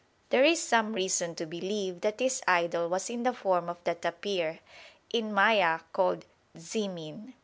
There is some reason to believe that this idol was in the form of the tapir, in Maya called "tzimin."